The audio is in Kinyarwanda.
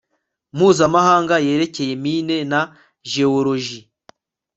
mpuzamahanga yerekeye mine na jewoloji